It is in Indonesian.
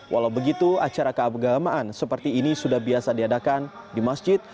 walau begitu acara keagamaan seperti ini sudah biasa diadakan di masjid